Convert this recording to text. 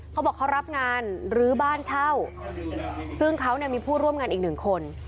เขาบอกเขารับงานลื้อบ้านเช่าซึ่งเขามีผู้ร่วมงานอีก๑คน